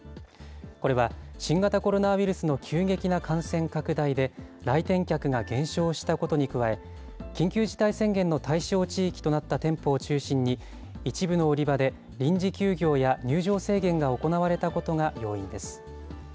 これは、新型コロナウイルスの急激な感染拡大で、来店客が減少したことに加え、緊急事態宣言の対象地域となった店舗を中心に、一部の売り場で臨時休業や入場制限が行われたことが要因です。